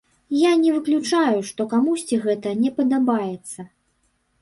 Я не выключаю, што камусьці гэта не падабаецца.